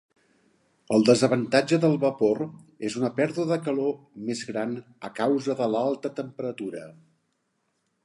El desavantatge del vapor és una pèrdua de calor més gran a causa de l'alta temperatura.